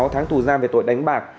sáu tháng tù gia về tội đánh bạc